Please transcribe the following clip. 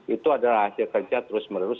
itu adalah hasil kerja terus menerus